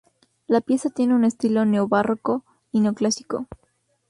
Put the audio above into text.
La pieza tiene un estilo neobarroco y neoclásico.